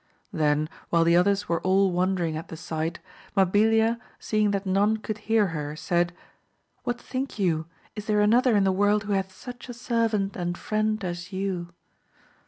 Then while the others were all wondering at the sight, Mahilia, seeing that none could hear her, said, What think you, is there another in the world who hath such a servant and friend as you